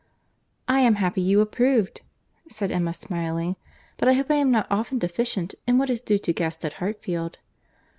"I am happy you approved," said Emma, smiling; "but I hope I am not often deficient in what is due to guests at Hartfield."